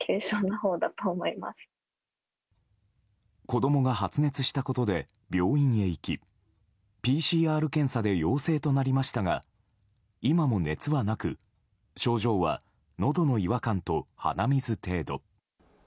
子供が発熱したことで病院へ行きＰＣＲ検査で陽性となりましたが今も熱はなく、症状はのどの違和感と鼻水程度。